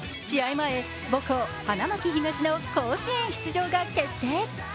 前、母校・花巻東の甲子園出場が決定。